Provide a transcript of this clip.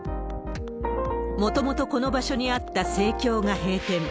もともとこの場所にあった生協が閉店。